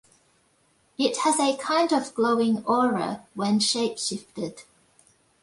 It has a kind of glowing aura when shape shifted.